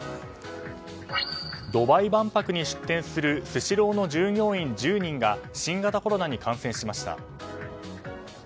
ドバイ万博に出展するスシローの従業員１０人が新型コロナに感染しました。